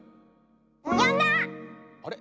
あれ？